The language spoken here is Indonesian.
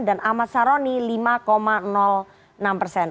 dan ahmad saroni lima enam persen